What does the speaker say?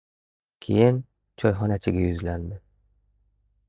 Keyin, choyxonachiga yuzlandi.